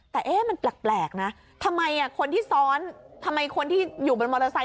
แต่เอ๊ะมันแปลกนะทำไมคนที่ซ้อนทำไมคนที่อยู่บนมอเตอร์ไซค